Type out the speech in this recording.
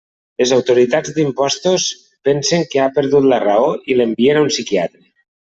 Les autoritats d'Impostos pensen que ha perdut la raó i l'envien a un psiquiatre.